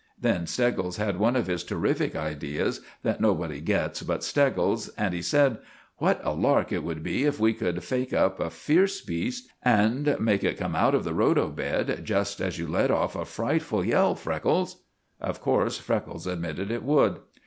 Then Steggles had one of his terrific ideas, that nobody gets but Steggles, and he said— "What a lark it would be if we could fake up a fierce beast, and make it come out of the rhodo. bed just as you let off a frightful yell, Freckles!" Of course Freckles admitted it would.